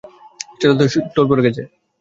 সেটাতে টোল পড়ে গেছে।